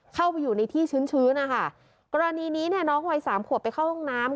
เข้าไปอยู่ในที่ชื้นชื้นนะคะกรณีนี้เนี่ยน้องวัยสามขวบไปเข้าห้องน้ำ